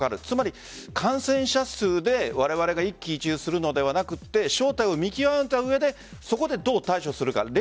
つまり感染者数でわれわれが一喜一憂するのではなく正体を見極めた上でそこでどう対処するか。